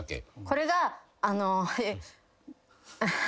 これがあのえっ。